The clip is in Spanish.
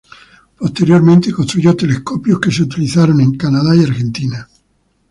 Posteriormente construyó telescopios que se utilizaron en Canadá y Argentina.